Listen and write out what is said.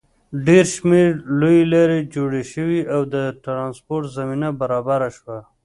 ډېر شمېر لویې لارې جوړې شوې او د ټرانسپورټ زمینه برابره شوه.